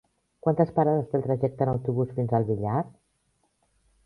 Quantes parades té el trajecte en autobús fins al Villar?